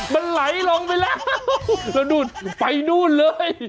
มันไหลลงไปแล้วแล้วนู่นไปนู่นเลย